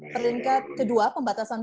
peringkat kedua pembatasan